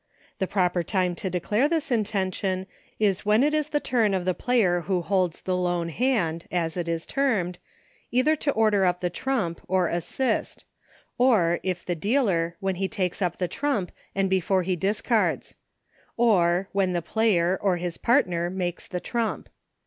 The proper time to (44) PLAYING ALONE. 45 declare this intention is when it is the turn of the player who holds the lone hand, as it is termed, either to order up the trump, or assist ; or, if the dealer, when he takes up the trump and before he discards ; or, when the player, or his partner, makes the trump.